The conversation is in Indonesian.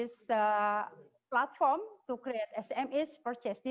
pasti adalah sektor informasi